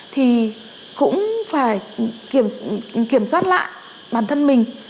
thì cũng phải kiểm soát lại bản thân mình